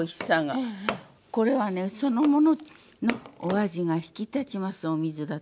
これはねそのもののお味が引き立ちますお水だと。